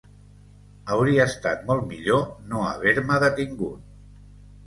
Hauria estat molt millor no haver-me detingut.